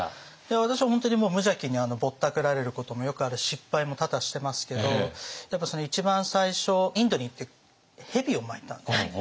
私は本当に無邪気にぼったくられることもよくあるし失敗も多々してますけどやっぱ一番最初インドに行って蛇を巻いたんですね。